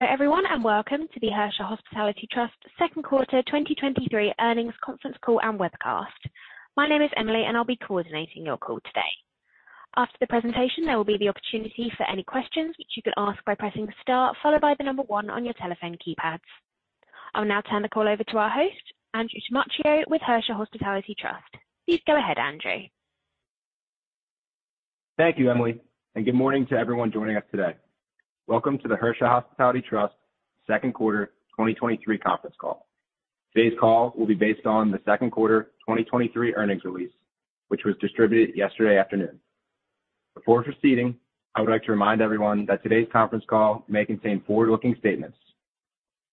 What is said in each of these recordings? Everyone, and welcome to the Hersha Hospitality Trust Q2 2023 earnings conference call and webcast. My name is Emily, and I'll be coordinating your call today. After the presentation, there will be the opportunity for any questions, which you can ask by pressing star followed by the number one on your telephone keypads. I'll now turn the call over to our host, Andrew Tamaccio, with Hersha Hospitality Trust. Please go ahead, Andrew. Thank you, Emily, and good morning to everyone joining us today. Welcome to the Hersha Hospitality Trust Q2 2023 conference call. Today's call will be based on the Q2 2023 earnings release, which was distributed yesterday afternoon. Before proceeding, I would like to remind everyone that today's conference call may contain forward-looking statements.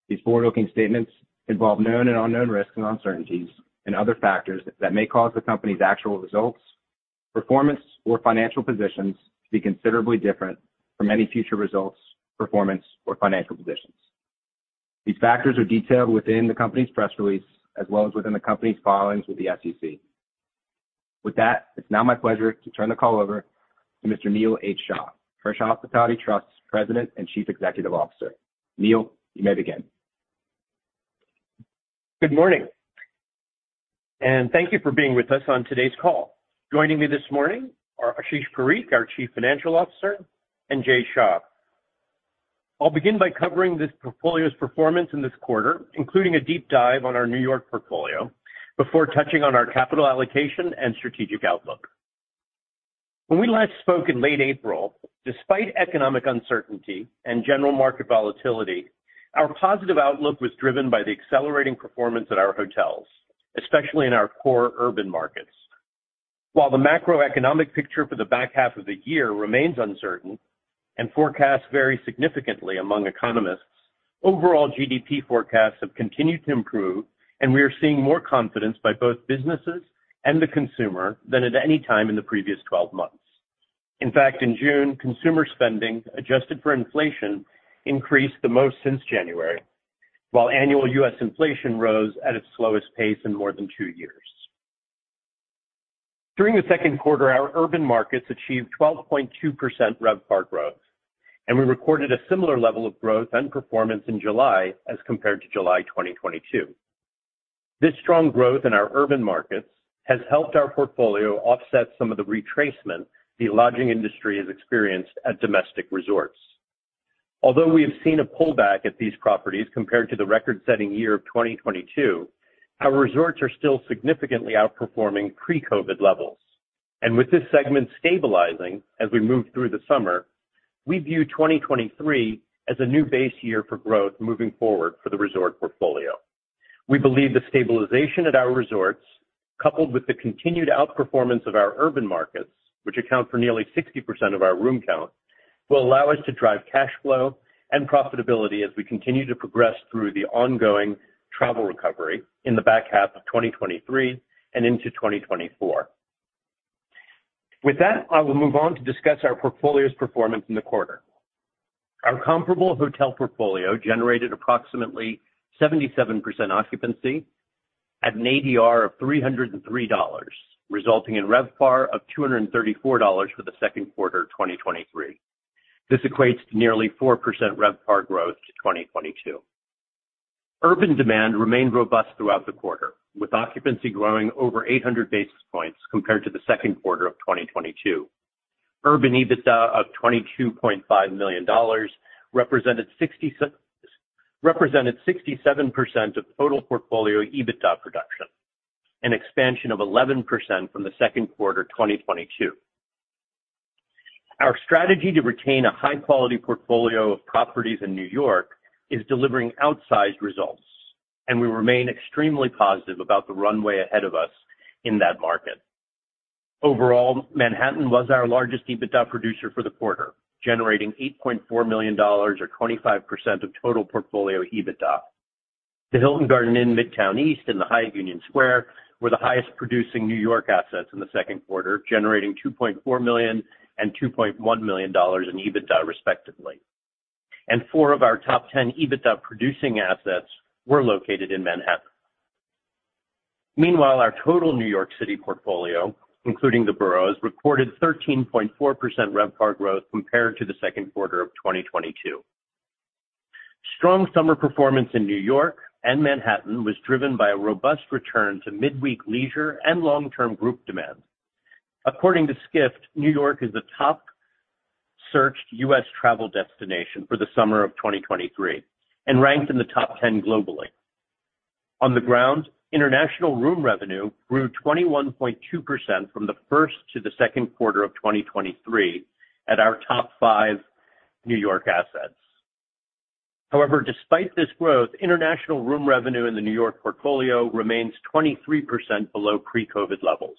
These forward-looking statements involve known and unknown risks and uncertainties and other factors that may cause the company's actual results, performance, or financial positions to be considerably different from any future results, performance, or financial positions. These factors are detailed within the company's press release, as well as within the company's filings with the SEC. With that, it's now my pleasure to turn the call over to Mr. Neil H. Shah, Hersha Hospitality Trust's President and Chief Executive Officer. Neil, you may begin. Good morning. Thank you for being with us on today's call. Joining me this morning are Ashish Parikh, our Chief Financial Officer, and Jay Shah. I'll begin by covering this portfolio's performance in this quarter, including a deep dive on our New York portfolio, before touching on our capital allocation and strategic outlook. When we last spoke in late April, despite economic uncertainty and general market volatility, our positive outlook was driven by the accelerating performance at our hotels, especially in our core urban markets. While the macroeconomic picture for the back half of the year remains uncertain and forecasts vary significantly among economists, overall GDP forecasts have continued to improve, and we are seeing more confidence by both businesses and the consumer than at any time in the previous 12 months. In fact, in June, consumer spending, adjusted for inflation, increased the most since January, while annual U.S. inflation rose at its slowest pace in more than two years. During the Q2, our urban markets achieved 12.2% RevPAR growth. We recorded a similar level of growth and performance in July as compared to July 2022. This strong growth in our urban markets has helped our portfolio offset some of the retracement the lodging industry has experienced at domestic resorts. Although we have seen a pullback at these properties compared to the record-setting year of 2022, our resorts are still significantly outperforming pre-COVID levels. With this segment stabilizing as we move through the summer, we view 2023 as a new base year for growth moving forward for the resort portfolio. We believe the stabilization at our resorts, coupled with the continued outperformance of our urban markets, which account for nearly 60% of our room count, will allow us to drive cash flow and profitability as we continue to progress through the ongoing travel recovery in the back half of 2023 and into 2024. With that, I will move on to discuss our portfolio's performance in the quarter. Our comparable hotel portfolio generated approximately 77% occupancy at an ADR of $303, resulting in RevPAR of $234 for the Q2 2023. This equates to nearly 4% RevPAR growth to 2022. Urban demand remained robust throughout the quarter, with occupancy growing over 800 basis points compared to the Q2 of 2022. Urban EBITDA of $22.5 million represented 67% of total portfolio EBITDA production, an expansion of 11% from Q2 2022. Our strategy to retain a high-quality portfolio of properties in New York is delivering outsized results, and we remain extremely positive about the runway ahead of us in that market. Overall, Manhattan was our largest EBITDA producer for the quarter, generating $8.4 million, or 25% of total portfolio EBITDA. The Hilton Garden Inn Midtown East and the Hyatt Union Square were the highest-producing New York assets in the Q2, generating $2.4 million and $2.1 million in EBITDA, respectively, and four of our top 10 EBITDA-producing assets were located in Manhattan. Meanwhile, our total New York City portfolio, including the boroughs, recorded 13.4% RevPAR growth compared to the Q2 of 2022. Strong summer performance in New York and Manhattan was driven by a robust return to midweek leisure and long-term group demand. According to Skift, New York is the top searched U.S. travel destination for the summer of 2023 and ranked in the top 10 globally. On the ground, international room revenue grew 21.2% from the first to the Q2 of 2023 at our top five New York assets. However, despite this growth, international room revenue in the New York portfolio remains 23% below pre-COVID levels,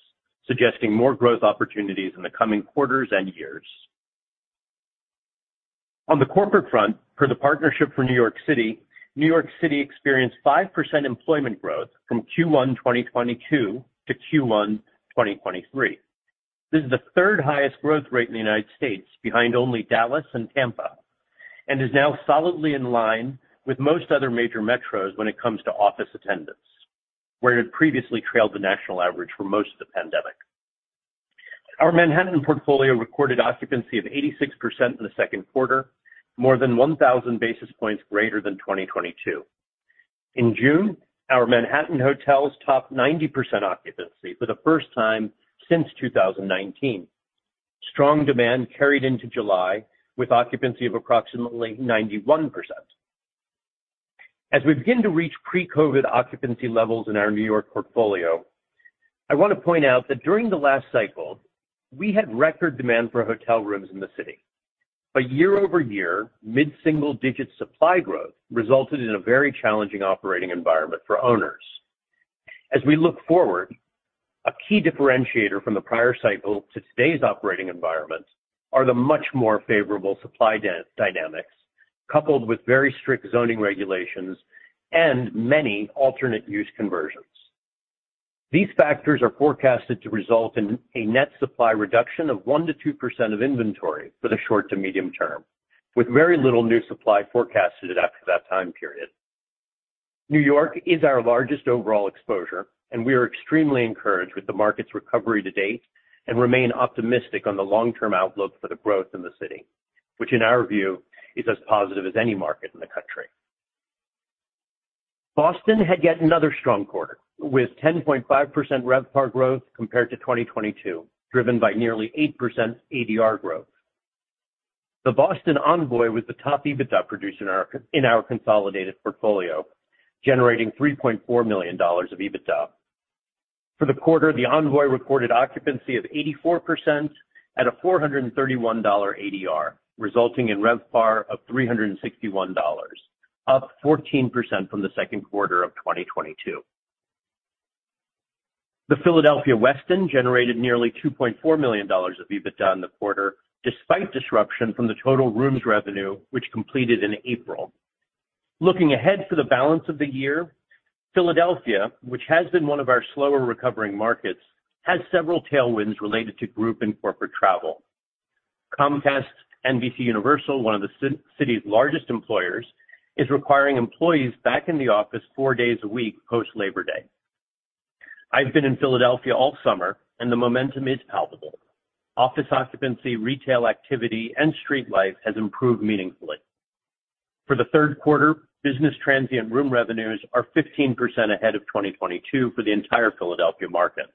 suggesting more growth opportunities in the coming quarters and years. On the corporate front, per the Partnership for New York City, New York City experienced 5% employment growth from Q1 2022 to Q1 2023. This is the third highest growth rate in the United States, behind only Dallas and Tampa, and is now solidly in line with most other major metros when it comes to office attendance, where it had previously trailed the national average for most of the pandemic. Our Manhattan portfolio recorded occupancy of 86% in the Q2, more than 1,000 basis points greater than 2022. In June, our Manhattan hotels topped 90% occupancy for the first time since 2019. Strong demand carried into July, with occupancy of approximately 91%. As we begin to reach pre-COVID occupancy levels in our New York portfolio, I want to point out that during the last cycle, we had record demand for hotel rooms in the city. Year-over-year, mid-single digit supply growth resulted in a very challenging operating environment for owners. As we look forward, a key differentiator from the prior cycle to today's operating environment are the much more favorable supply dynamics, coupled with very strict zoning regulations and many alternate use conversions. These factors are forecasted to result in a net supply reduction of 1%-2% of inventory for the short to medium term, with very little new supply forecasted after that time period. New York is our largest overall exposure. We are extremely encouraged with the market's recovery to date and remain optimistic on the long-term outlook for the growth in the city, which, in our view, is as positive as any market in the country. Boston had yet another strong quarter, with 10.5% RevPAR growth compared to 2022, driven by nearly 8% ADR growth. The Boston Envoy was the top EBITDA producer in our, in our consolidated portfolio, generating $3.4 million of EBITDA. For the quarter, the Envoy recorded occupancy of 84% at a $431 ADR, resulting in RevPAR of $361, up 14% from the Q2 of 2022. The Westin Philadelphia generated nearly $2.4 million of EBITDA in the quarter, despite disruption from the total rooms revenue, which completed in April. Looking ahead to the balance of the year, Philadelphia, which has been one of our slower recovering markets, has several tailwinds related to group and corporate travel. Comcast, NBCUniversal, one of the city's largest employers, is requiring employees back in the office four days a week post-Labor Day. I've been in Philadelphia all summer, the momentum is palpable. Office occupancy, retail activity, and street life has improved meaningfully. For the Q3, business transient room revenues are 15% ahead of 2022 for the entire Philadelphia market.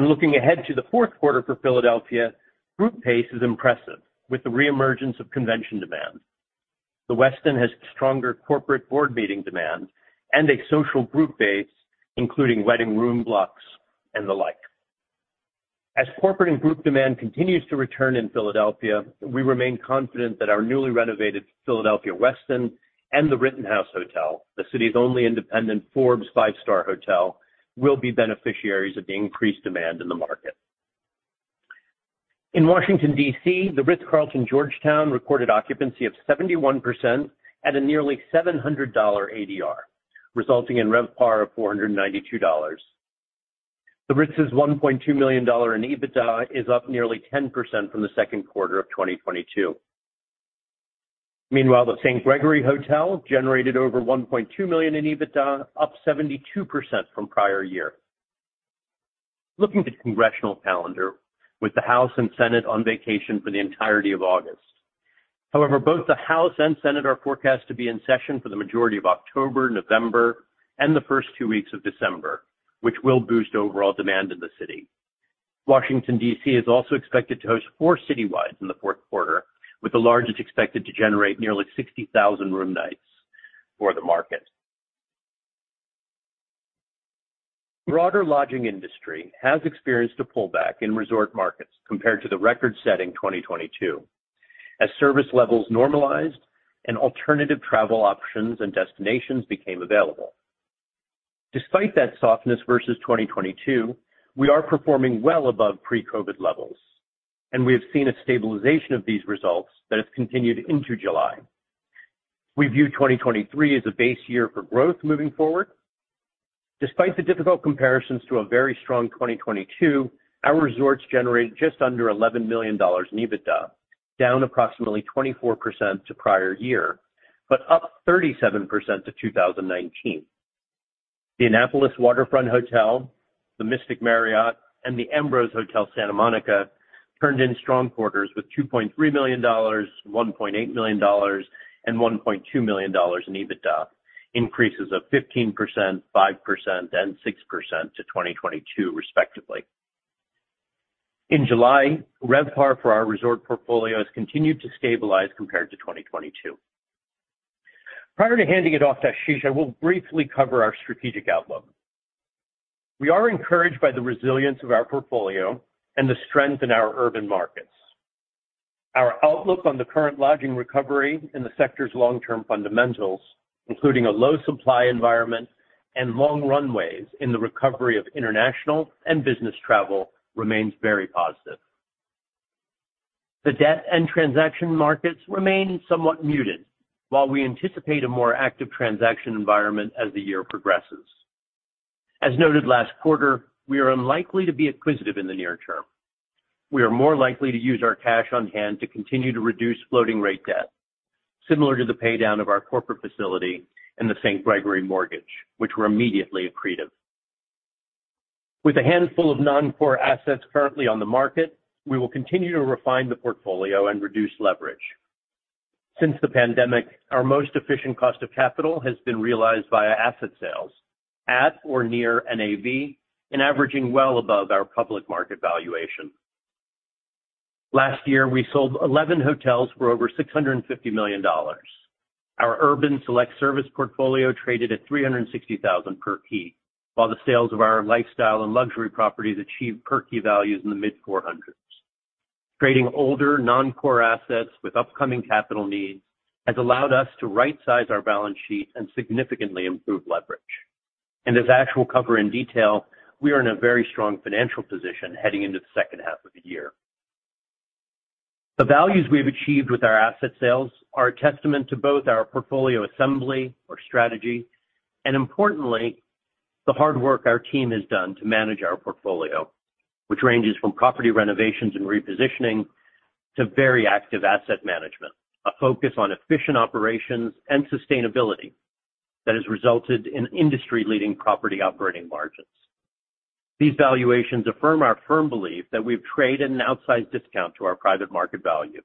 Looking ahead to the Q4 for Philadelphia, group pace is impressive, with the reemergence of convention demand. The Westin has stronger corporate board meeting demand and a social group base, including wedding room blocks and the like. As corporate and group demand continues to return in Philadelphia, we remain confident that our newly renovated Philadelphia Westin and The Rittenhouse Hotel, the city's only independent Forbes 5-star hotel, will be beneficiaries of the increased demand in the market. In Washington, D.C., The Ritz-Carlton Georgetown recorded occupancy of 71% at a nearly $700 ADR, resulting in RevPAR of $492. The Ritz's $1.2 million in EBITDA is up nearly 10% from the Q2 of 2022. Meanwhile, The St. Gregory Hotel generated over $1.2 million in EBITDA, up 72% from prior year. Looking at the congressional calendar, with the House and Senate on vacation for the entirety of August. However, both the House and Senate are forecast to be in session for the majority of October, November, and the first two weeks of December, which will boost overall demand in the city. Washington, D.C., is also expected to host four citywides in the Q4, with the largest expected to generate nearly 60,000 room nights for the market. Broader lodging industry has experienced a pullback in resort markets compared to the record-setting 2022, as service levels normalized and alternative travel options and destinations became available. Despite that softness versus 2022, we are performing well above pre-COVID levels, and we have seen a stabilization of these results that has continued into July. We view 2023 as a base year for growth moving forward. Despite the difficult comparisons to a very strong 2022, our resorts generated just under $11 million in EBITDA, down approximately 24% to prior year, but up 37% to 2019. The Annapolis Waterfront Hotel, the Mystic Marriott, and the Ambrose Hotel, Santa Monica, turned in strong quarters with $2.3 million, $1.8 million, and $1.2 million in EBITDA, increases of 15%, 5%, and 6% to 2022, respectively. In July, RevPAR for our resort portfolio has continued to stabilize compared to 2022. Prior to handing it off to Ashish, I will briefly cover our strategic outlook. We are encouraged by the resilience of our portfolio and the strength in our urban markets. Our outlook on the current lodging recovery and the sector's long-term fundamentals, including a low supply environment and long runways in the recovery of international and business travel, remains very positive. The debt and transaction markets remain somewhat muted, while we anticipate a more active transaction environment as the year progresses. As noted last quarter, we are unlikely to be acquisitive in the near term. We are more likely to use our cash on hand to continue to reduce floating rate debt similar to the paydown of our corporate facility and the St. Gregory Mortgage, which were immediately accretive. With a handful of non-core assets currently on the market, we will continue to refine the portfolio and reduce leverage. Since the pandemic, our most efficient cost of capital has been realized via asset sales at or near NAV and averaging well above our public market valuation. Last year, we sold 11 hotels for over $650 million. Our urban select service portfolio traded at $360,000 per key, while the sales of our lifestyle and luxury properties achieved per key values in the mid-$400s. Trading older, non-core assets with upcoming capital needs has allowed us to rightsize our balance sheet and significantly improve leverage. As Ash will cover in detail, we are in a very strong financial position heading into the second half of the year. The values we've achieved with our asset sales are a testament to both our portfolio assembly, our strategy, and importantly, the hard work our team has done to manage our portfolio, which ranges from property renovations and repositioning to very active asset management, a focus on efficient operations and sustainability that has resulted in industry-leading property operating margins. These valuations affirm our firm belief that we've traded an outsized discount to our private market value.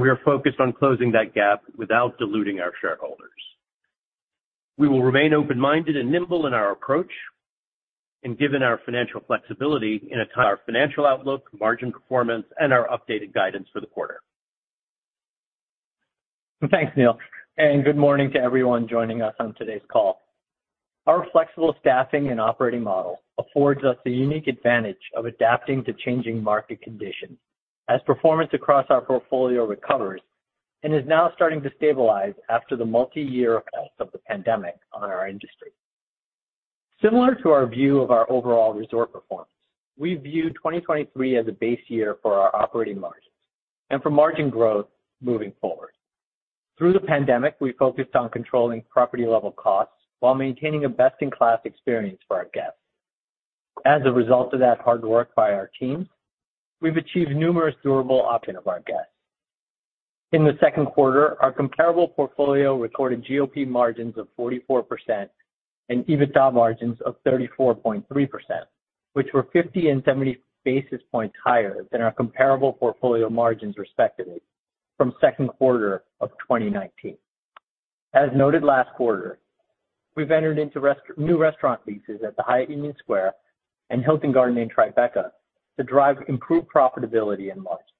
We are focused on closing that gap without diluting our shareholders. We will remain open-minded and nimble in our approach, given our financial flexibility, our financial outlook, margin performance, and our updated guidance for the quarter. Thanks, Neil. Good morning to everyone joining us on today's call. Our flexible staffing and operating model affords us the unique advantage of adapting to changing market conditions as performance across our portfolio recovers and is now starting to stabilize after the multiyear effects of the pandemic on our industry. Similar to our view of our overall resort performance, we view 2023 as a base year for our operating margins and for margin growth moving forward. Through the pandemic, we focused on controlling property-level costs while maintaining a best-in-class experience for our guests. As a result of that hard work by our teams, we've achieved numerous durable opinion of our guests. In the Q2, our comparable portfolio recorded GOP margins of 44% and EBITDA margins of 34.3%, which were 50 and 70 basis points higher than our comparable portfolio margins, respectively, from Q2 of 2019. As noted last quarter, we've entered into new restaurant leases at the Hyatt Union Square and Hilton Garden Inn Tribeca to drive improved profitability and margins.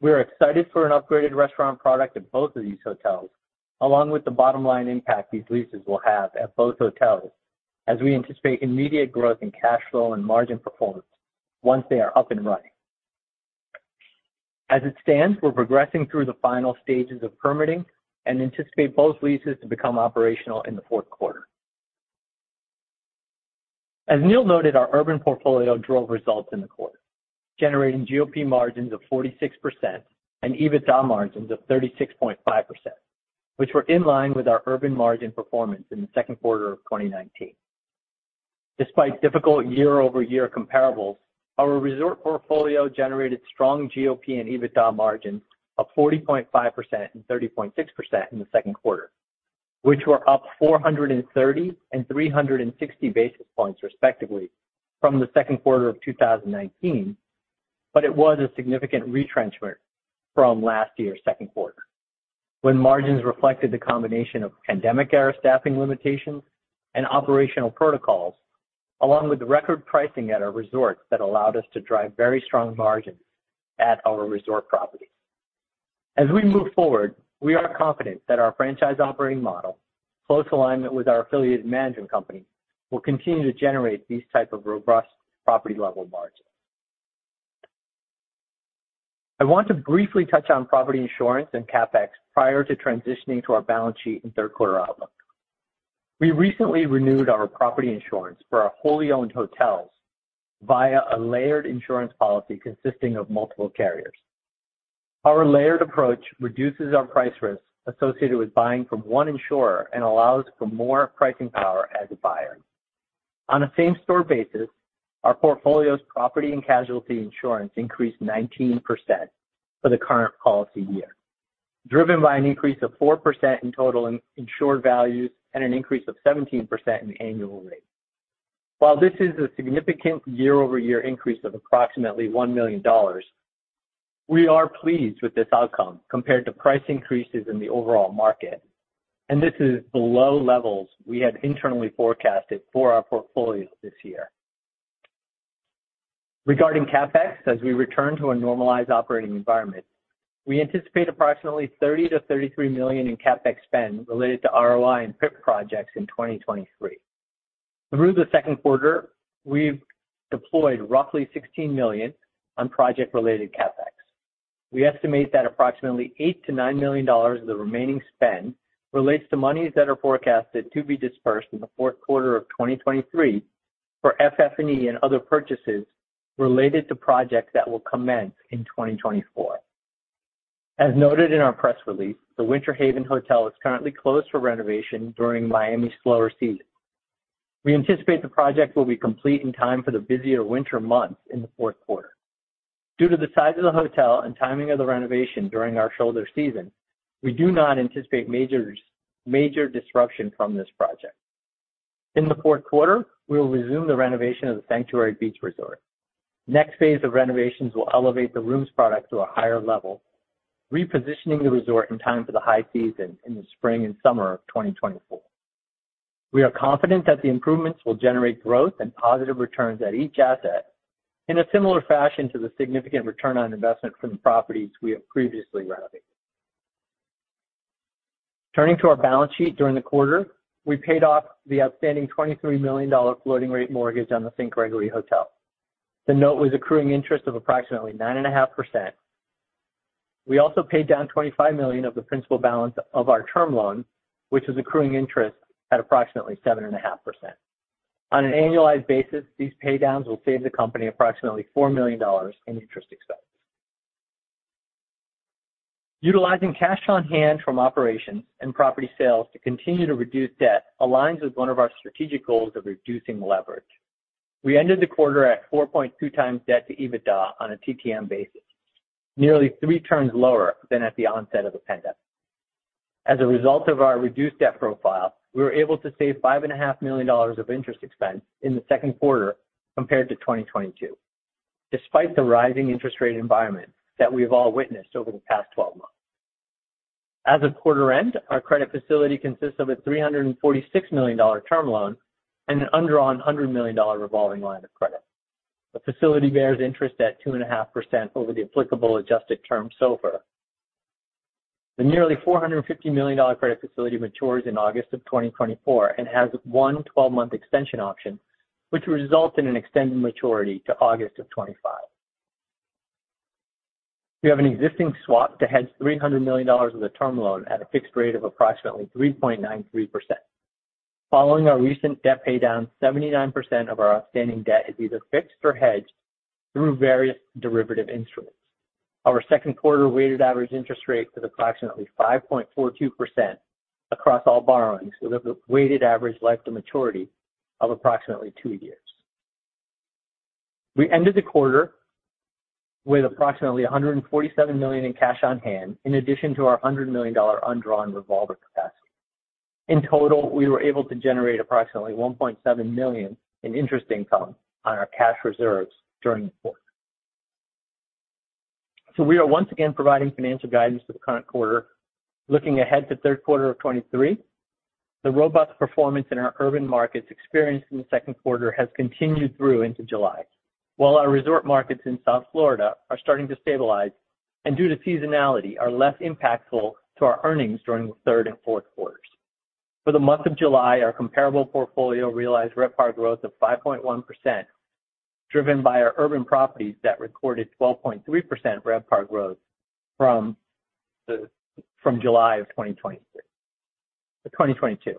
We are excited for an upgraded restaurant product at both of these hotels, along with the bottom line impact these leases will have at both hotels, as we anticipate immediate growth in cash flow and margin performance once they are up and running. As it stands, we're progressing through the final stages of permitting and anticipate both leases to become operational in the Q4. As Neil noted, our urban portfolio drove results in the quarter, generating GOP margins of 46% and EBITDA margins of 36.5%, which were in line with our urban margin performance in the Q2 of 2019. Despite difficult year-over-year comparables, our resort portfolio generated strong GOP and EBITDA margins of 40.5% and 30.6% in the Q2, which were up 430 and 360 basis points, respectively, from the Q2 of 2019. It was a significant retrenchment from last year's Q2, when margins reflected the combination of pandemic-era staffing limitations and operational protocols, along with the record pricing at our resorts that allowed us to drive very strong margins at our resort properties. As we move forward, we are confident that our franchise operating model, close alignment with our affiliated management company, will continue to generate these type of robust property-level margins. I want to briefly touch on property insurance and CapEx prior to transitioning to our balance sheet and Q3 outlook. We recently renewed our property insurance for our wholly owned hotels via a layered insurance policy consisting of multiple carriers. Our layered approach reduces our price risk associated with buying from one insurer and allows for more pricing power as a buyer. On a same-store basis, our portfolio's property and casualty insurance increased 19% for the current policy year, driven by an increase of 4% in total insured values and an increase of 17% in annual rate. While this is a significant year-over-year increase of approximately $1 million, we are pleased with this outcome compared to price increases in the overall market. This is below levels we had internally forecasted for our portfolio this year. Regarding CapEx, as we return to a normalized operating environment, we anticipate approximately $30 to 33 million in CapEx spend related to ROI and PIP projects in 2023. Through the Q2, we've deployed roughly $16 million on project-related CapEx. We estimate that approximately $8 to 9 million of the remaining spend relates to monies that are forecasted to be dispersed in the Q4 of 2023 for FF&E and other purchases related to projects that will commence in 2024. As noted in our press release, the Winter Haven Hotel is currently closed for renovation during Miami's slower season. We anticipate the project will be complete in time for the busier winter months in the Q4. Due to the size of the hotel and timing of the renovation during our shoulder season, we do not anticipate major disruption from this project. In the Q4, we will resume the renovation of the Sanctuary Beach Resort. Next phase of renovations will elevate the rooms product to a higher level, repositioning the resort in time for the high season in the spring and summer of 2024. We are confident that the improvements will generate growth and positive returns at each asset, in a similar fashion to the significant return on investment from the properties we have previously renovated. Turning to our balance sheet, during the quarter, we paid off the outstanding $23 million floating rate mortgage on the St. Gregory Hotel. The note was accruing interest of approximately 9.5%. We also paid down $25 million of the principal balance of our term loan, which is accruing interest at approximately 7.5%. On an annualized basis, these pay downs will save the company approximately $4 million in interest expense. Utilizing cash on hand from operations and property sales to continue to reduce debt aligns with one of our strategic goals of reducing leverage. We ended the quarter at 4.2x debt to EBITDA on a TTM basis, nearly three times lower than at the onset of the pandemic. As a result of our reduced debt profile, we were able to save $5.5 million of interest expense in the Q2 compared to 2022, despite the rising interest rate environment that we've all witnessed over the past 12 months. As of quarter end, our credit facility consists of a $346 million term loan and an undrawn $100 million revolving line of credit. The facility bears interest at 2.5% over the applicable adjusted term SOFR. The nearly $450 million credit facility matures in August 2024 and has one 12-month extension option, which will result in an extended maturity to August 2025. We have an existing swap that hedges $300 million of the term loan at a fixed rate of approximately 3.93%. Following our recent debt paydown, 79% of our outstanding debt is either fixed or hedged through various derivative instruments. Our Q2 weighted average interest rate is approximately 5.42% across all borrowings, with a weighted average life to maturity of approximately two years. We ended the quarter with approximately $147 million in cash on hand, in addition to our $100 million undrawn revolver capacity. In total, we were able to generate approximately $1.7 million in interest income on our cash reserves during the quarter. We are once again providing financial guidance for the current quarter. Looking ahead to Q3 2023, the robust performance in our urban markets experienced in Q2 has continued through into July, while our resort markets in South Florida are starting to stabilize, and due to seasonality, are less impactful to our earnings during Q3 and Q4. For the month of July, our comparable portfolio realized RevPAR growth of 5.1%, driven by our urban properties that recorded 12.3% RevPAR growth from July 2023, 2022.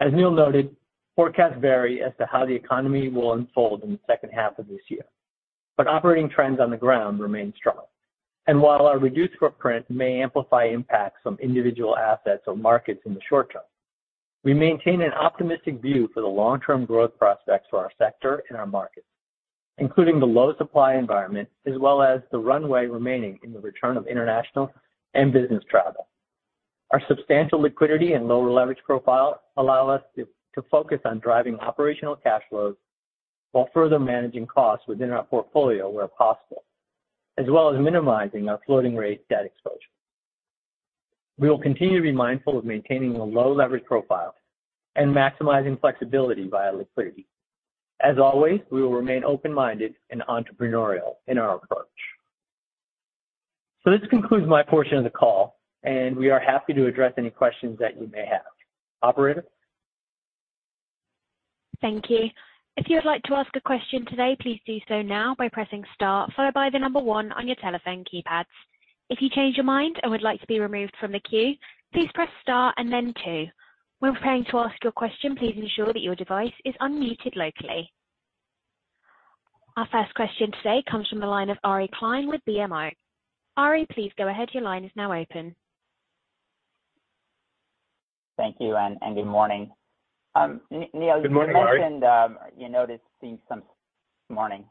As Neil noted, forecasts vary as to how the economy will unfold in the second half of this year, but operating trends on the ground remain strong. While our reduced footprint may amplify impacts from individual assets or markets in the short term, we maintain an optimistic view for the long-term growth prospects for our sector and our markets, including the low supply environment, as well as the runway remaining in the return of international and business travel. Our substantial liquidity and lower leverage profile allow us to focus on driving operational cash flows while further managing costs within our portfolio where possible, as well as minimizing our floating rate debt exposure. We will continue to be mindful of maintaining a low leverage profile and maximizing flexibility via liquidity. As always, we will remain open-minded and entrepreneurial in our approach. This concludes my portion of the call, and we are happy to address any questions that you may have. Operator? Thank you. If you would like to ask a question today, please do so now by pressing star, followed by the one on your telephone keypads. If you change your mind and would like to be removed from the queue, please press star and then two. When preparing to ask your question, please ensure that your device is unmuted locally. Our first question today comes from the line of Ari Klein with BMO. Ari, please go ahead. Your line is now open. Thank you, and good morning. Neil. Good morning, Ari. You mentioned. Morning.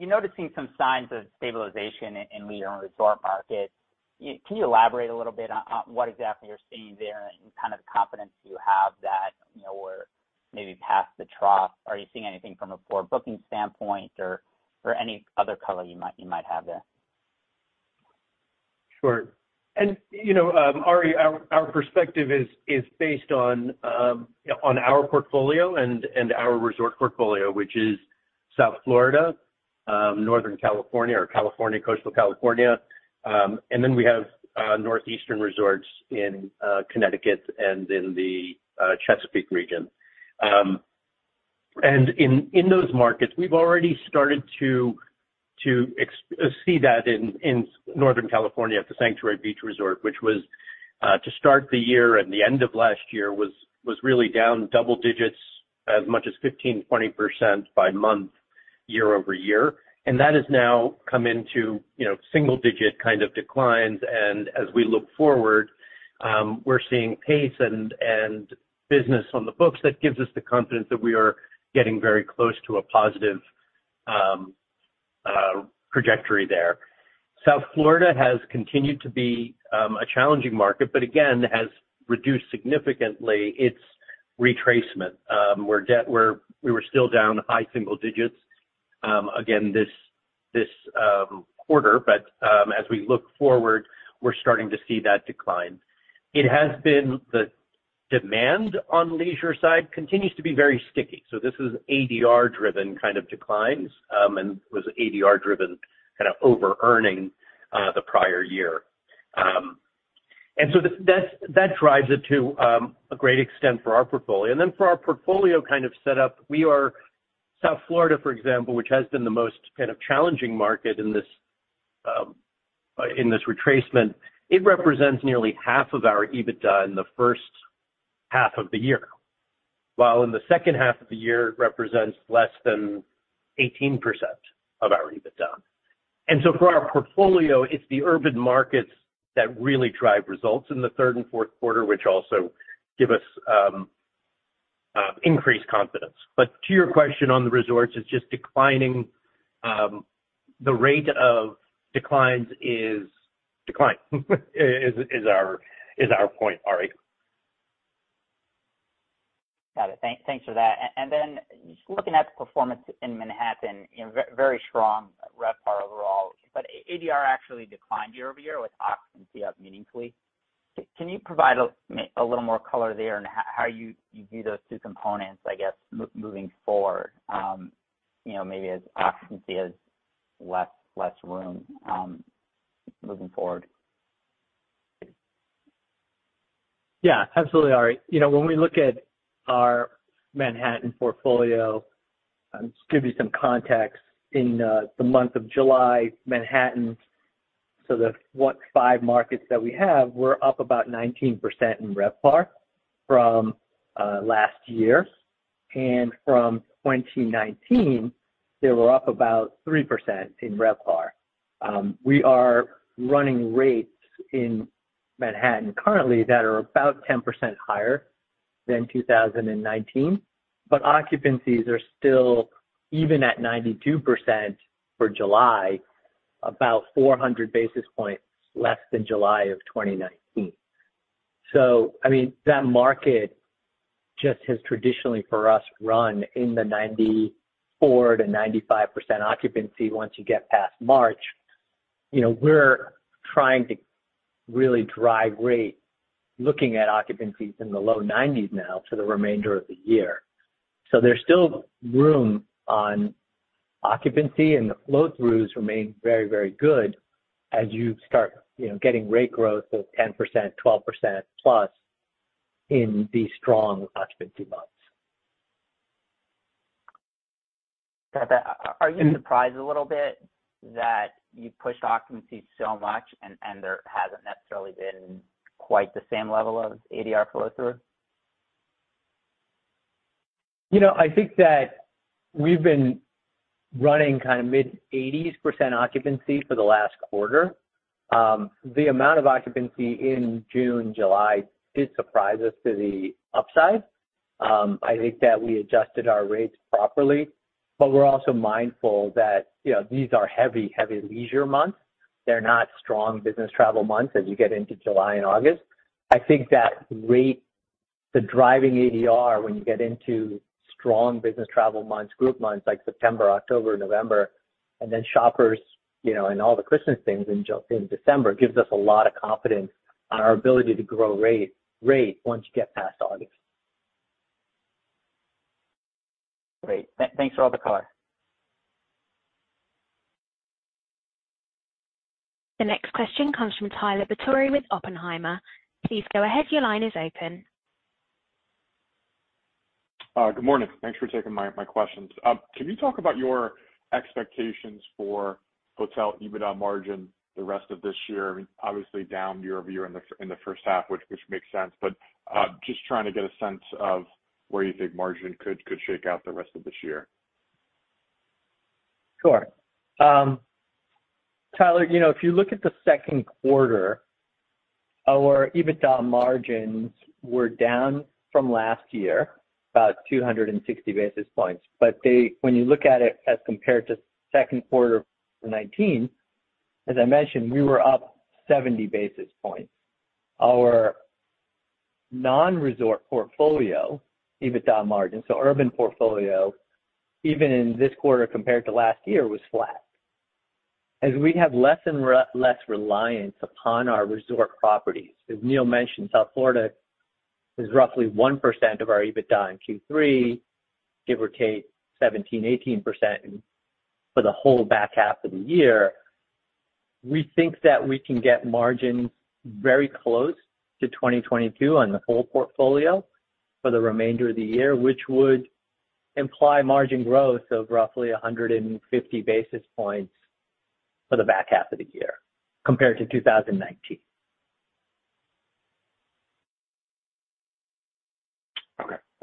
You're noticing some signs of stabilization in, in lead-on resort markets. Can you elaborate a little bit on, on what exactly you're seeing there and kind of the confidence you have that, you know, we're maybe past the trough? Are you seeing anything from a forward booking standpoint or, or any other color you might, you might have there? Sure. you know, Ari, our perspective is based on our portfolio and our resort portfolio, which is South Florida, Northern California or California, Coastal California, and then we have Northeastern resorts in Connecticut and in the Chesapeake region. In those markets, we've already started to see that in Northern California at the Sanctuary Beach Resort, which was to start the year and the end of last year, was really down double digits as much as 15%-20% by month, year-over-year, that has now come into, you know, single-digit kind of declines. As we look forward, we're seeing pace and, and business on the books that gives us the confidence that we are getting very close to a positive trajectory there. South Florida has continued to be a challenging market, but again, has reduced significantly its retracement. We were still down high single-digits again, this quarter. As we look forward, we're starting to see that decline. It has been the demand on leisure side continues to be very sticky, so this is ADR-driven kind of declines, and was ADR-driven kind of overearning the prior year. That drives it to a great extent for our portfolio then for our portfolio kind of set up, South Florida, for example, which has been the most kind of challenging market in this retracement, it represents nearly half of our EBITDA in the first half of the year, while in the second half of the year, it represents less than 18% of our EBITDA. So for our portfolio, it's the urban markets that really drive results in the Q3 and Q4, which also give us increased confidence. To your question on the resorts, it's just declining, the rate of declines is decline, is, is our, is our point, Ari. Got it. Thank, thanks for that. Then just looking at the performance in Manhattan, you know, very strong RevPAR overall, but ADR actually declined year-over-year with occupancy up meaningfully. Can you provide a little more color there on how you, you view those two components, I guess, moving forward? You know, maybe as occupancy has less, less room, moving forward. Yeah, absolutely, Ari. You know, when we look at our Manhattan portfolio, just give you some context, in the month of July, Manhattan, so what five markets that we have, were up about 19% in RevPAR from last year. From 2019, they were up about 3% in RevPAR. We are running rates in Manhattan currently that are about 10% higher than 2019, but occupancies are still even at 92% for July, about 400 basis points less than July of 2019. I mean, that market just has traditionally, for us, run in the 94%-95% occupancy once you get past March. You know, we're trying to really drive rate, looking at occupancies in the low 90s now for the remainder of the year. There's still room on occupancy, and the flow-throughs remain very, very good as you start, you know, getting rate growth of 10%, 12% plus in the strong occupancy months. Got that. Are you surprised a little bit that you've pushed occupancy so much and, and there hasn't necessarily been quite the same level of ADR flow-through? You know, I think that we've been running kind of mid-eighties % occupancy for the last quarter. The amount of occupancy in June, July did surprise us to the upside. I think that we adjusted our rates properly, but we're also mindful that, you know, these are heavy, heavy leisure months. They're not strong business travel months as you get into July and August. I think that rate, the driving ADR, when you get into strong business travel months, group months, like September, October, November, and then shoppers, you know, and all the Christmas things in December, gives us a lot of confidence on our ability to grow rate, rate once you get past August. Great. Thanks for all the color. The next question comes from Tyler Bortnick with Oppenheimer. Please go ahead, your line is open. Good morning. Thanks for taking my, my questions. Can you talk about your expectations for hotel EBITDA margin the rest of this year? I mean, obviously down year-over-year in the, in the first half, which, which makes sense. Just trying to get a sense of where you think margin could, could shake out the rest of this year. Sure. Tyler, you know, if you look at the Q2, our EBITDA margins were down from last year, about 260 basis points. They-- when you look at it as compared to Q2 of 2019, as I mentioned, we were up 70 basis points. Our non-resort portfolio, EBITDA margins, so urban portfolio, even in this quarter compared to last year, was flat. As we have less and less reliance upon our resort properties, as Neil mentioned, South Florida is roughly 1% of our EBITDA in Q3, give or take 17%-18% for the whole back half of the year. We think that we can get margins very close to 2022 on the full portfolio for the remainder of the year, which would imply margin growth of roughly 150 basis points for the back half of the year compared to 2019.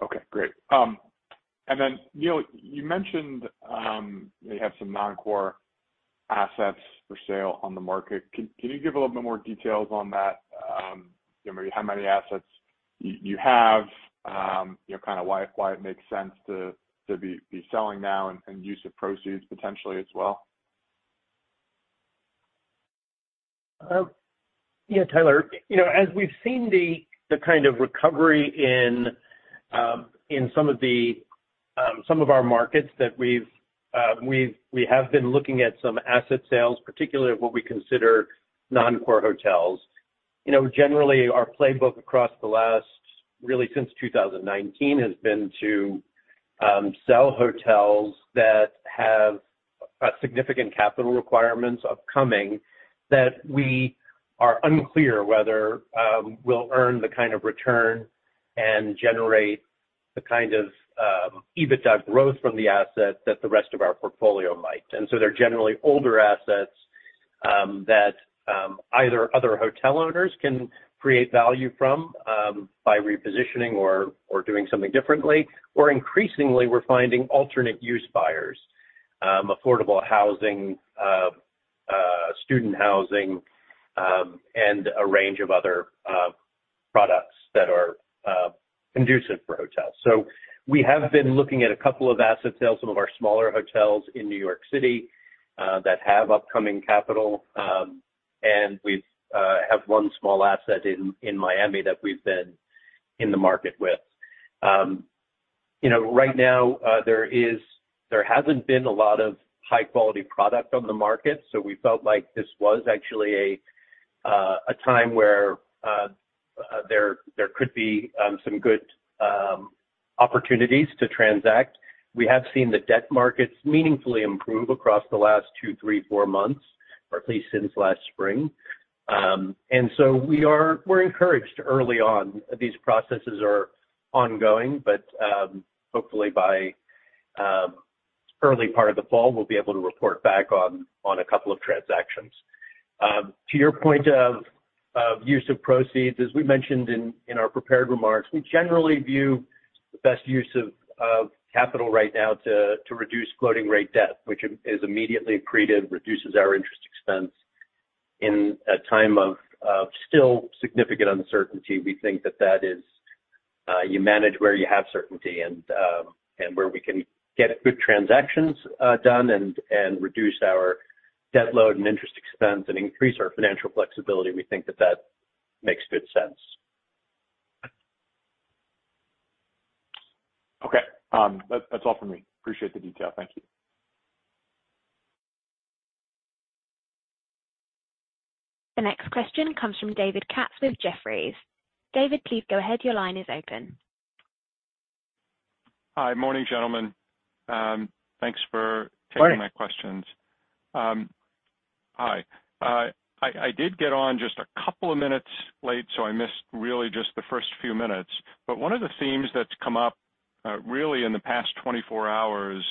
Okay, okay, great. Neil, you mentioned, you have some non-core assets for sale on the market. Can you give a little bit more details on that? You know, maybe how many assets you have, you know, kind of why it makes sense to be selling now and use of proceeds potentially as well? Yeah, Tyler, you know, as we've seen the, the kind of recovery in, in some of the, some of our markets that we've, we have been looking at some asset sales, particularly what we consider non-core hotels. You know, generally, our playbook across the last, really since 2019, has been to sell hotels that have significant capital requirements upcoming, that we- -are unclear whether we'll earn the kind of return and generate the kind of EBITDA growth from the asset that the rest of our portfolio might they're generally older assets that either other hotel owners can create value from by repositioning or or doing something differently, or increasingly, we're finding alternate use buyers, affordable housing, student housing, and a range of other products that are conducive for hotels. We have been looking at a couple of asset sales, some of our smaller hotels in New York City, that have upcoming capital, and we've have one small asset in Miami that we've been in the market with. You know, right now, there is-- there hasn't been a lot of high-quality product on the market, so we felt like this was actually a time where there could be some good opportunities to transact. We have seen the debt markets meaningfully improve across the last two, three, four months, or at least since last spring. We're encouraged early on. These processes are ongoing, but hopefully by early part of the fall, we'll be able to report back on a couple of transactions. To your point of use of proceeds, as we mentioned in our prepared remarks, we generally view the best use of capital right now to reduce floating rate debt, which is immediately accretive, reduces our interest expense in a time of still significant uncertainty we think that that is, you manage where you have certainty and where we can get good transactions done and reduce our debt load and interest expense and increase our financial flexibility we think that that makes good sense. Okay. That's all from me. Appreciate the detail. Thank you. The next question comes from David Katz with Jefferies. David, please go ahead. Your line is open. Hi. Morning, gentlemen. Thanks for taking my questions. Morning. A couple of minutes late, so I missed really just the first few minutes. But one of the themes that's come up really in the past 24 hours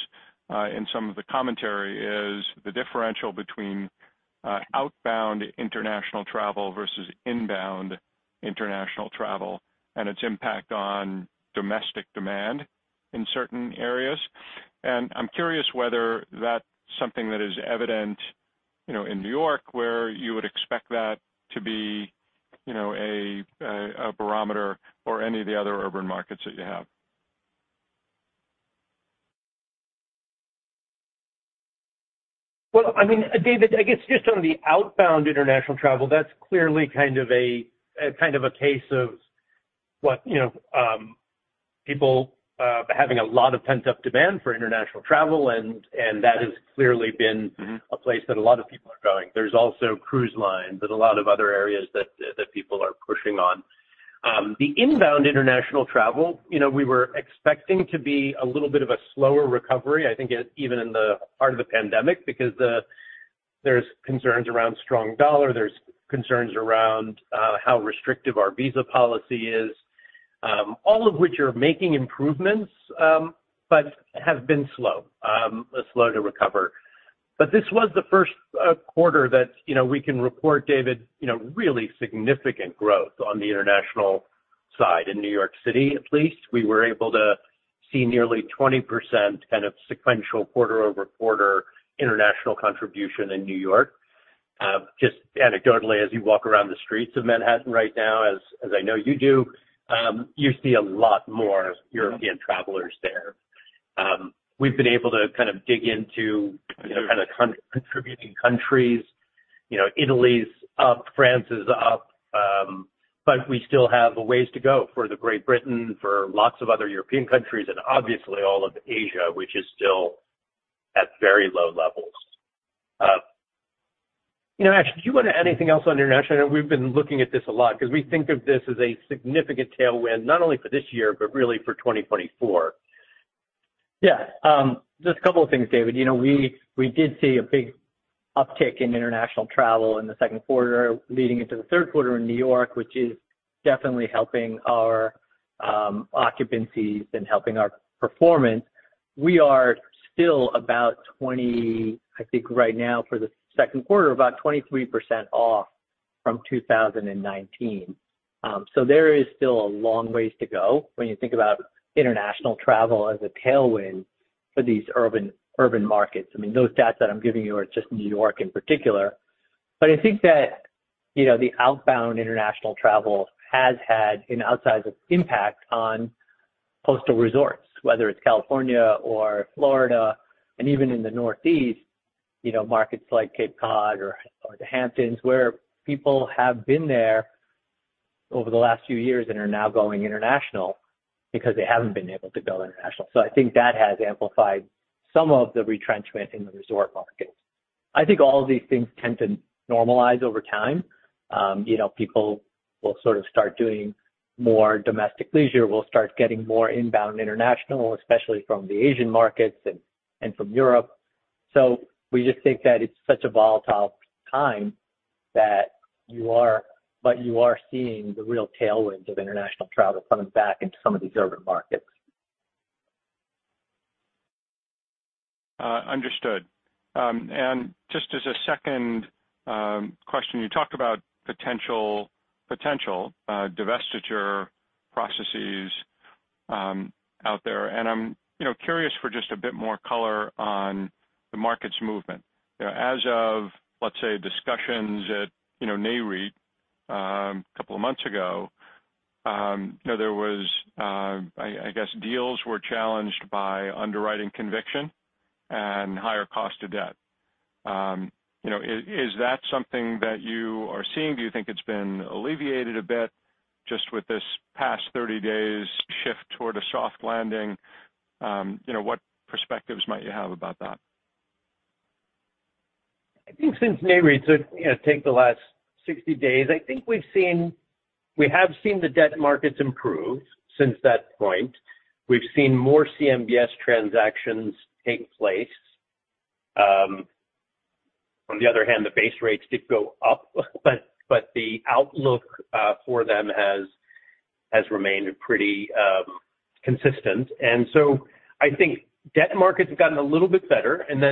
in some of the commentary is the differential between outbound international travel versus inbound international travel and its impact on domestic demand in certain areas. I'm curious whether that's something that is evident, you know, in New York, where you would expect that to be, you know, a barometer or any of the other urban markets that you have. Well, I mean, David, I guess just on the outbound international travel, that's clearly kind of a case of what, you know, people having a lot of pent-up demand for international travel, and that has clearly been-... a place that a lot of people are going there's also cruise lines and a lot of other areas that people are pushing on. The inbound international travel, you know, we were expecting to be a little bit of a slower recovery, I think, even in the heart of the pandemic, because there's concerns around strong dollar, there's concerns around how restrictive our visa policy is, all of which are making improvements, but have been slow, slow to recover. This was the Q1 that, you know, we can report, David, you know, really significant growth on the international side. In New York City, at least, we were able to see nearly 20% kind of sequential quarter-over-quarter international contribution in New York. Just anecdotally, as you walk around the streets of Manhattan right now, as, as I know you do, you see a lot more European travelers there. We've been able to kind of dig into, you know, kind of contributing countries. You know, Italy's up, France is up, but we still have a ways to go for the Great Britain, for lots of other European countries and obviously all of Asia, which is still at very low levels. You know, Ash, do you want to add anything else on international? We've been looking at this a lot because we think of this as a significant tailwind, not only for this year, but really for 2024. Yeah. Just a couple of things, David. You know, we, we did see a big uptick in international travel in the Q2 leading into the Q3 in New York, which is definitely helping our occupancies and helping our performance. We are still about 20... I think right now for the Q2, about 23% off. from 2019. There is still a long ways to go when you think about international travel as a tailwind for these urban, urban markets. I mean, those stats that I'm giving you are just New York in particular. I think that, you know, the outbound international travel has had an outsized impact on coastal resorts, whether it's California or Florida, and even in the Northeast, you know, markets like Cape Cod or, or the Hamptons, where people have been there over the last few years and are now going international because they haven't been able to go international i think that has amplified some of the retrenchment in the resort markets. I think all of these things tend to normalize over time. You know, people will sort of start doing more domestic leisure, will start getting more inbound international, especially from the Asian markets and, and from Europe. We just think that it's such a volatile time that you are seeing the real tailwinds of international travel coming back into some of these urban markets. Understood. Just as a second question, you talked about potential, potential divestiture processes out there, and I'm, you know, curious for just a bit more color on the market's movement. You know, as of, let's say, discussions at, you know, NAREIT, a couple of months ago, you know, there was, I guess, deals were challenged by underwriting conviction and higher cost of debt. You know, is that something that you are seeing? Do you think it's been alleviated a bit just with this past 30 days shift toward a soft landing? You know, what perspectives might you have about that? I think since NAREIT, so, you know, take the last 60 days, I think we have seen the debt markets improve since that point. We've seen more CMBS transactions take place. On the other hand, the base rates did go up, but the outlook for them has remained pretty consistent. I think debt markets have gotten a little bit better, and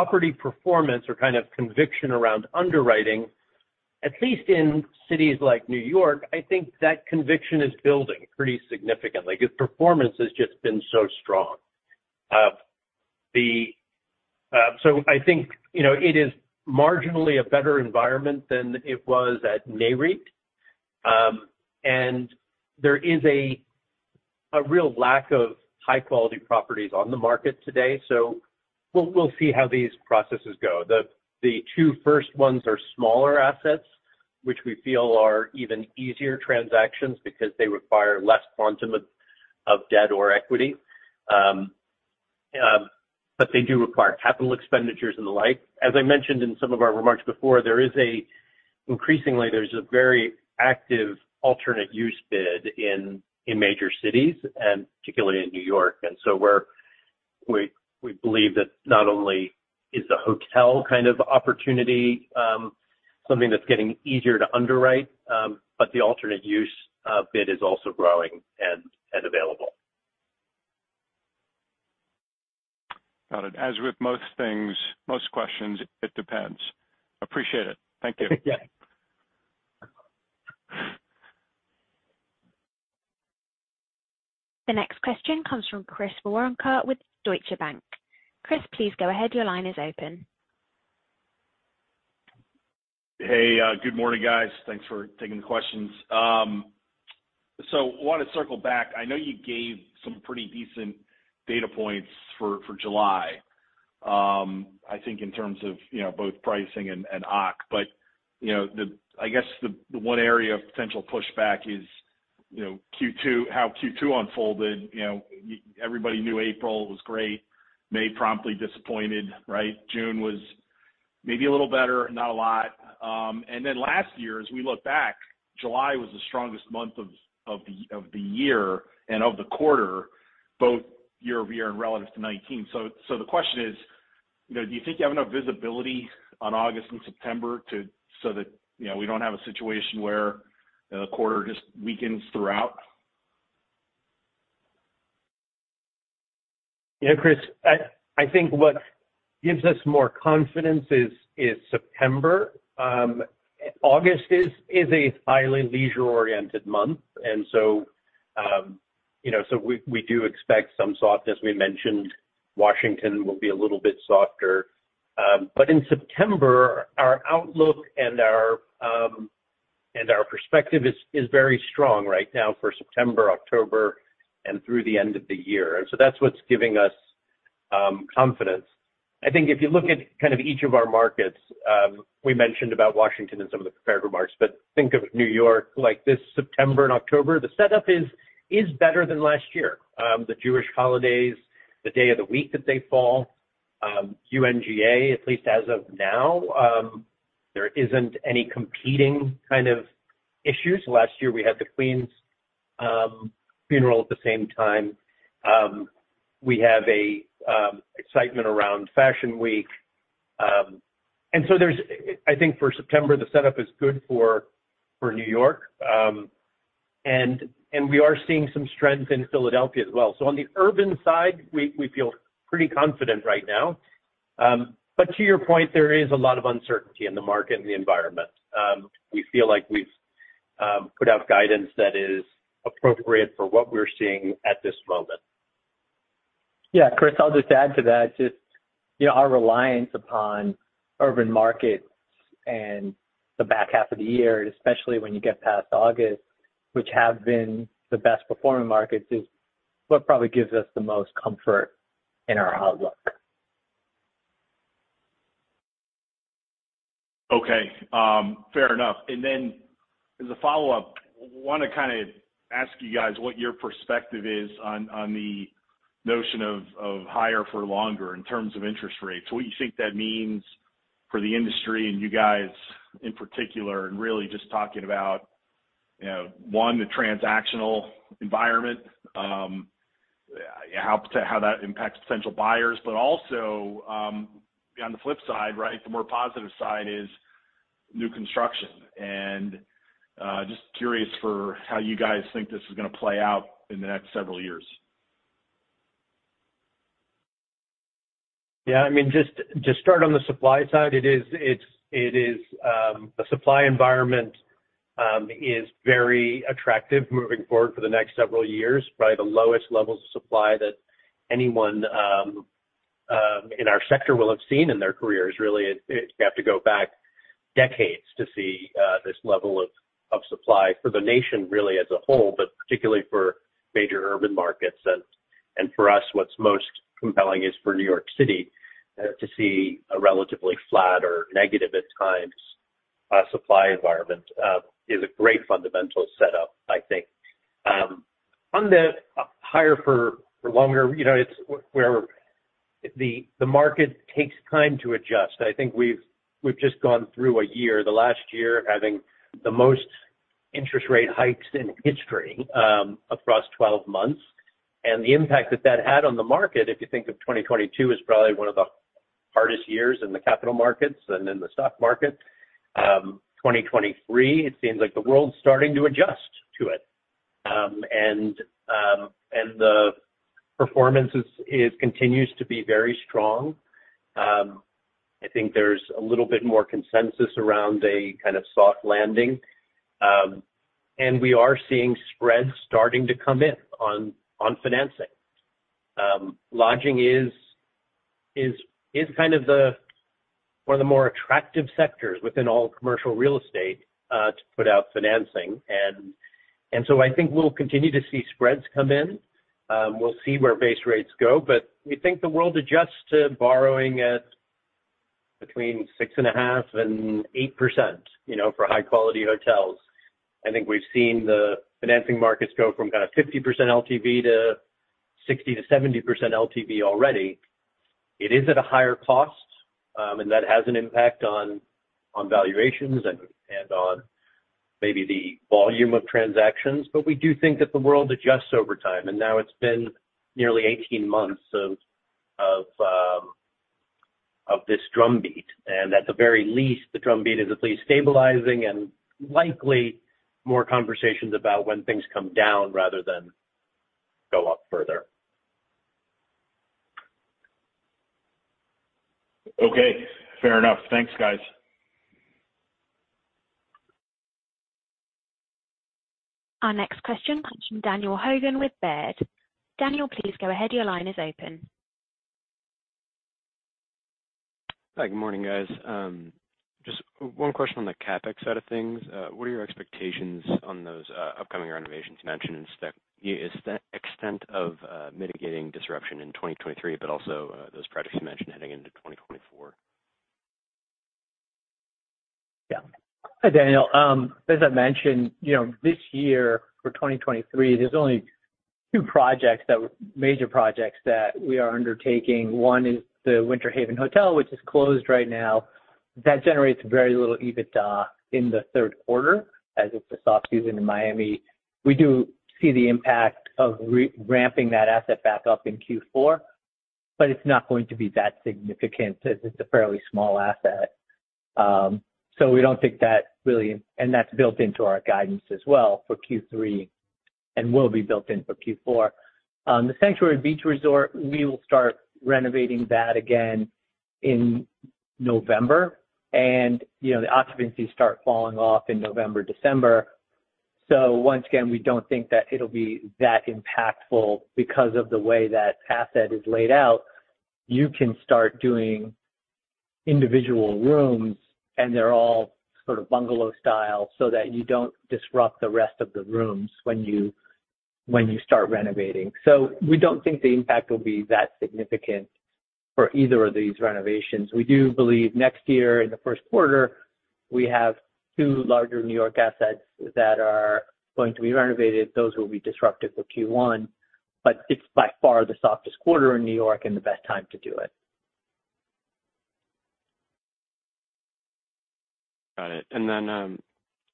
then property performance or kind of conviction around underwriting, at least in cities like New York, I think that conviction is building pretty significantly because performance has just been so strong. I think, you know, it is marginally a better environment than it was at NAREIT. There is a real lack of high-quality properties on the market today, so we'll see how these processes go. The two first ones are smaller assets, which we feel are even easier transactions because they require less quantum of, of debt or equity. But they do require capital expenditures and the like. As I mentioned in some of our remarks before, there is increasingly, there's a very active alternate use bid in, in major cities and particularly in New York. We're-- we, we believe that not only is the hotel kind of opportunity, something that's getting easier to underwrite, but the alternate use bid is also growing and available. Got it. As with most things, most questions, it depends. Appreciate it. Thank you. Yeah. The next question comes from Chris Woronka with Deutsche Bank. Chris, please go ahead. Your line is open. Hey, good morning, guys. Thanks for taking the questions. I want to circle back. I know you gave some pretty decent data points for July, I think in terms of, you know, both pricing and OC. You know, I guess the one area of potential pushback is, you know, Q2, how Q2 unfolded you know, everybody knew April was great, May promptly disappointed, right? June was maybe a little better, not a lot. Then last year, as we look back, July was the strongest month of the year and of the quarter, both year-over-year and relative to 2019. The question is, you know, do you think you have enough visibility on August and September to so that, you know, we don't have a situation where the quarter just weakens throughout? Yeah, Chris, I, I think what gives us more confidence is, is September. August is, is a highly leisure-oriented month, and so, you know, so we, we do expect some softness we mentioned Washington will be a little bit softer. In September, our outlook and our perspective is very strong right now for September, October, and through the end of the year so that's what's giving us confidence. I think if you look at kind of each of our markets, we mentioned about Washington in some of the prepared remarks, but think of New York, like this September and October, the setup is, is better than last year. The Jewish holidays, the day of the week that they fall, UNGA, at least as of now, there isn't any competing kind of issues last year, we had the Queen's funeral at the same time. We have excitement around Fashion Week. I think for September, the setup is good for New York. We are seeing some strength in Philadelphia as well on the urban side, we feel pretty confident right now. To your point, there is a lot of uncertainty in the market and the environment. We feel like we've put out guidance that is appropriate for what we're seeing at this moment. Yeah, Chris, I'll just add to that. Just, you know, our reliance upon urban markets and the back half of the year, especially when you get past August, which have been the best performing markets, is what probably gives us the most comfort in our outlook. Okay, fair enough. As a follow-up, wanna kinda ask you guys what your perspective is on, on the notion of, of higher for longer in terms of interest rates what do you think that means for the industry and you guys in particular? Really just talking about, you know, one, the transactional environment, how that impacts potential buyers, but also, on the flip side, right, the more positive side is new construction. Just curious for how you guys think this is gonna play out in the next several years. Yeah, I mean, just, just start on the supply side. It is, the supply environment is very attractive moving forward for the next several years. Probably the lowest levels of supply that anyone in our sector will have seen in their careers, really. You have to go back decades to see this level of supply for the nation, really, as a whole, but particularly for major urban markets. For us, what's most compelling is for New York City to see a relatively flat or negative at times, supply environment is a great fundamental setup, I think. On the higher for, for longer, you know, it's where the market takes time to adjust. I think we've, we've just gone through a year, the last year, having the most interest rate hikes in history, across 12 months. The impact that that had on the market, if you think of 2022, is probably one of the hardest years in the capital markets and in the stock market. 2023, it seems like the world's starting to adjust to it. The performance is, is continues to be very strong. I think there's a little bit more consensus around a kind of soft landing. We are seeing spreads starting to come in on, on financing. Lodging is, is, is kind of the, one of the more attractive sectors within all commercial real estate, to put out financing. I think we'll continue to see spreads come in. We'll see where base rates go, but we think the world adjusts to borrowing at between 6.5% and 8%, you know, for high-quality hotels. I think we've seen the financing markets go from kind of 50% LTV to 60%-70% LTV already. It is at a higher cost, and that has an impact on, on valuations and, and on maybe the volume of transactions we do think that the world adjusts over time, and now it's been nearly 18 months of, of this drumbeat, and at the very least, the drumbeat is at least stabilizing and likely more conversations about when things come down rather than go up further. Okay, fair enough. Thanks, guys. Our next question comes from Daniel Hogan with Baird. Daniel, please go ahead. Your line is open. Hi, good morning, guys. Just one question on the CapEx side of things. What are your expectations on those upcoming renovations you mentioned, and is the extent of mitigating disruption in 2023, but also those projects you mentioned heading into 2024? Yeah. Hi, Daniel. As I mentioned, you know, this year, for 2023, there's only two major projects that we are undertaking one is the Winter Haven Hotel, which is closed right now. That generates very little EBITDA in the Q3, as it's a soft season in Miami. We do see the impact of re-ramping that asset back up in Q4, but it's not going to be that significant as it's a fairly small asset. We don't think that. That's built into our guidance as well for Q3 and will be built in for Q4. The Sanctuary Beach Resort, we will start renovating that again in November. You know, the occupancies start falling off in November, December. Once again, we don't think that it'll be that impactful because of the way that asset is laid out. You can start doing individual rooms, and they're all sort of bungalow style, so that you don't disrupt the rest of the rooms when you, when you start renovating. We don't think the impact will be that significant for either of these renovations. We do believe next year, in the Q1, we have two larger New York assets that are going to be renovated those will be disruptive for Q1, but it's by far the softest quarter in New York and the best time to do it. Got it. Then,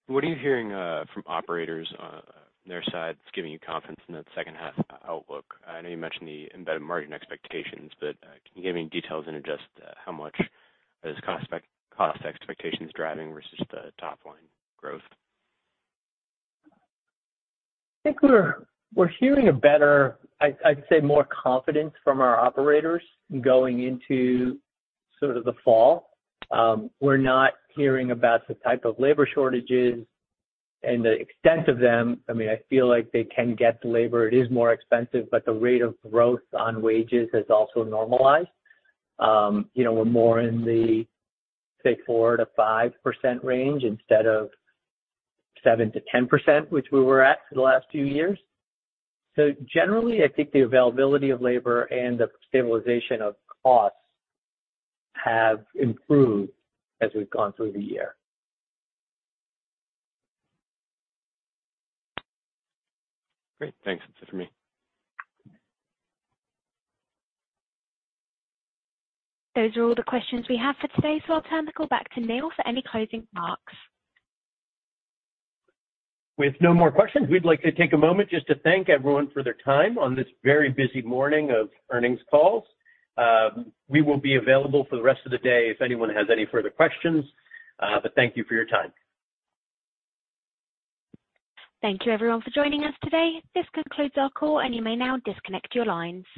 what are you hearing, from operators on their side that's giving you confidence in the second half outlook? I know you mentioned the embedded margin expectations, but, can you give any details into just, how much are those cost expectations driving versus the top-line growth? I think we're, we're hearing a better, I'd, I'd say, more confidence from our operators going into sort of the fall. We're not hearing about the type of labor shortages and the extent of them. I mean, I feel like they can get the labor it is more expensive, but the rate of growth on wages has also normalized. You know, we're more in the, say, 4%-5% range instead of 7%-10%, which we were at for the last few years. Generally, I think the availability of labor and the stabilization of costs have improved as we've gone through the year. Great. Thanks. That's it for me. Those are all the questions we have for today, so I'll turn the call back to Neil for any closing remarks. With no more questions, we'd like to take a moment just to thank everyone for their time on this very busy morning of earnings calls. We will be available for the rest of the day if anyone has any further questions, but thank you for your time. Thank you, everyone, for joining us today. This concludes our call, and you may now disconnect your lines.